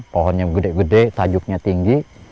pohonnya gede gede tajuknya tinggi